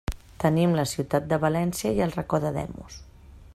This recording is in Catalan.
Tenim la ciutat de València i el Racó d'Ademús.